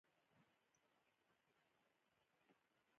شېخ اسعد سوري لومړی قصيده و يونکی دﺉ.